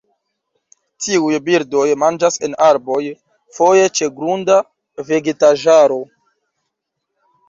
Tiuj birdoj manĝas en arboj, foje ĉe grunda vegetaĵaro.